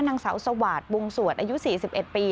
นางเสาสวาสตร์บวงสวดอายุ๔๑ปี